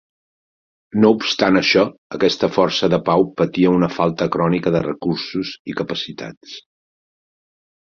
No obstant això, aquesta força de pau patia una falta crònica de recursos i capacitats.